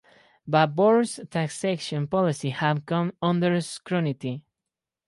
Barbour's taxation policies have come under scrutiny.